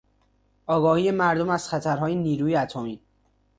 آگاهی مردم از خطرهای نیروی اتمی